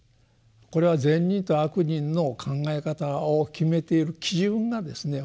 これは「善人」と「悪人」の考え方を決めている基準がですね